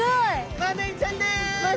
マダイちゃんだ！